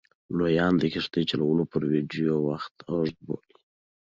لویان د کښتۍ چلولو پر ویډیو وخت اوږد بولي.